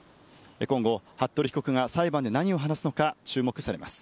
今後、服部被告が裁判で何を話すのか注目されます。